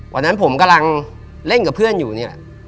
วันนั้นผมกำลังเล่นกับเพื่อนอยู่นี่แหละ